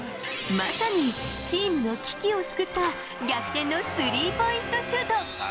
まさにチームの危機を救った逆転のスリーポイントシュート。